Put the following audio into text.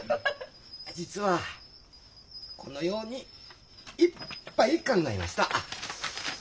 実はこのようにいっぱい考えました。